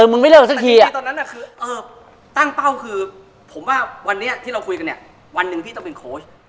มึงไม่เลิกสักทีตอนนั้นคือตั้งเป้าคือผมว่าวันนี้ที่เราคุยกันเนี่ยวันหนึ่งพี่ต้องเป็นโค้ช